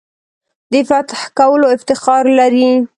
د فتح کولو افتخار لري.